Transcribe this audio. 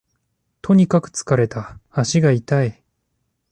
とにかく疲れた、足が痛い